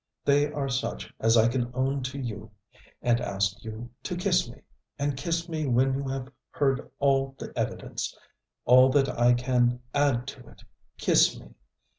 They are such as I can own to you; and ask you to kiss me and kiss me when you have heard all the evidence, all that I can add to it, kiss me.